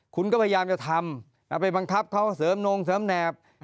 คุณก็พยายามจะทำเอาไปบังคับเขาเสริมนงเสริมแนบ